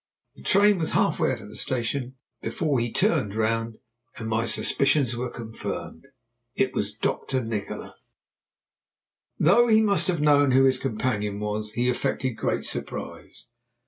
The train was half way out of the station before he turned round, and my suspicions were confirmed. It was Dr. Nikola! Though he must have known who his companion was, he affected great surprise.